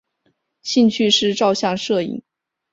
兴趣是照相摄影。